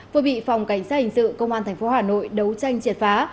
vừa bị phòng cảnh sát hình sự công an tp hà nội đấu tranh triệt phá